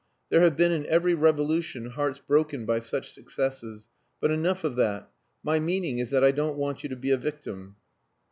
There have been in every revolution hearts broken by such successes. But enough of that. My meaning is that I don't want you to be a victim."